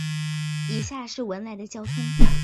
以下是文莱的交通